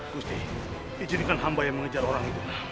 gusti dijadikan hamba yang mengejar orang itu